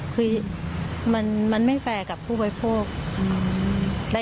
คือมันไม่แฟร์กับผู้บริโภค